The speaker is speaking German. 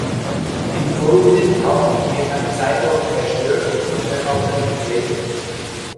Im folgenden Kampf wird ein Cyborg zerstört und der andere beschädigt.